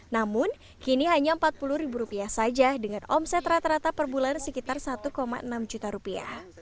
namun kini hanya empat puluh ribu rupiah saja dengan omset rata rata per bulan sekitar satu enam juta rupiah